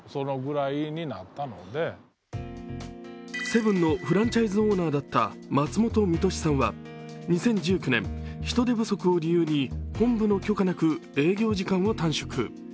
セブンのフランチャイズオーナーだった松本実敏さんは２０１９年、人手不足を理由の本部の許可なく営業時間を短縮。